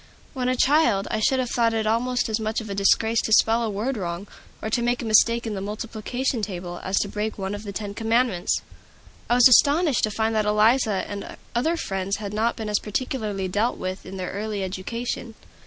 When a child, I should have thought it almost as much of a disgrace to spell a word wrong, or make a mistake in the multiplication table, as to break one of the Ten Commandments. I was astonished to find that Eliza and other friends had not been as particularly dealt with in their early education.